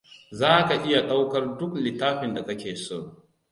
Za ka iya daukar duk littafin da ka ke so.